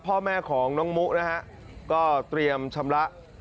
พ่อแม่ของน้องมุนะฮะก็เตรียมชำระ